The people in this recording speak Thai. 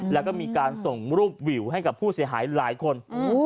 แล้วก็มีการส่งรูปวิวให้กับผู้เสียหายหลายคน